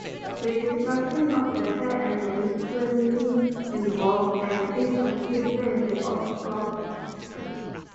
The destruction of the hair and nails plainly involves an inconsistency of thought.